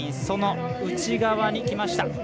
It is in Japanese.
その内側にきました。